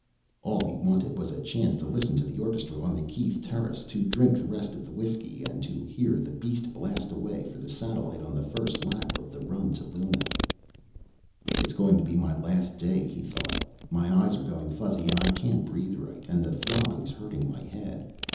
All he wanted was a chance to listen to the orchestra on the Keith terrace, to drink the rest of his whiskey, and to hear the beast blast away for the satellite on the first lap of the run to Luna. It's going to be my last day, he thought. My eyes are going fuzzy, and I can't breathe right, and the throbbing's hurting my head.